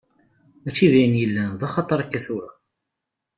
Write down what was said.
Mačči d ayen yellan d axatar akka tura.